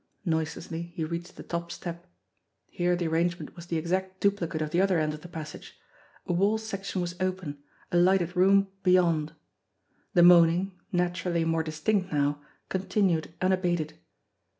Noiselessly he reached the top step. Here the arrangement was the exact duplicate of the other end of the passage. A wall section was open, a lighted room beyond. The moaning, naturally more distinct now, continued unabated.